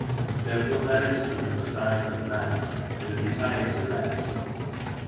They had put their instruments aside for the night, and had retired to rest.